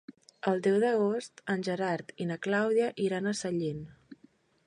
El deu d'agost en Gerard i na Clàudia iran a Sellent.